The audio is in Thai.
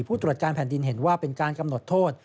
ผู้ตรวจการแผ่นดินเห็นว่าเป็นการกำหนดโทษ